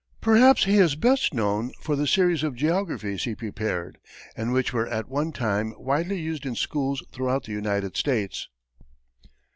Perhaps he is best known for the series of geographies he prepared, and which were at one time widely used in schools throughout the United States.